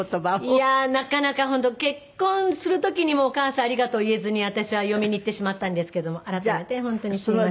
いやあなかなか本当結婚する時にも「お母さんありがとう」言えずに私は嫁にいってしまったんですけども改めて本当にすみません。